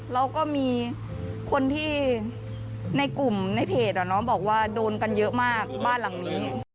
แล้วก็มีคนที่ในกลุ่มในเพจบอกว่าโดนกันเยอะมากบ้านหลังนี้